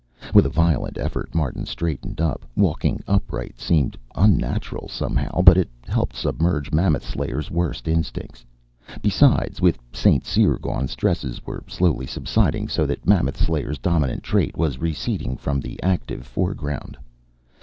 With a violent effort Martin straightened up. Walking upright seemed unnatural, somehow, but it helped submerge Mammoth Slayer's worst instincts. Besides, with St. Cyr gone, stresses were slowly subsiding, so that Mammoth Slayer's dominant trait was receding from the active foreground.